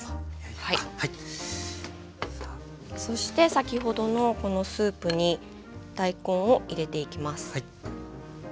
そして先ほどのこのスープに大根を入れていきます。